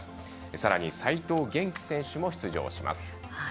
さらに齋藤元希選手も出場します。